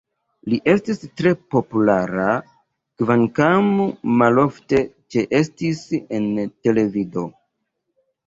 Li estis tre populara, kvankam malofte ĉeestis en televido.